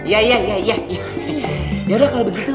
ya ya ya ya udah kalau begitu